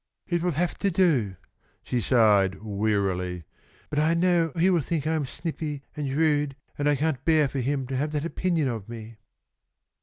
"It will have to do," she sighed, wearily, "but I know he will think I am snippy and rude, and I can't beah for him to have that opinion of me."